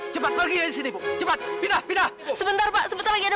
sampai jumpa di video selanjutnya